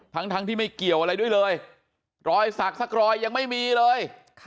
ทั้งที่ไม่เกี่ยวอะไรด้วยเลยรอยสักสักรอยยังไม่มีเลย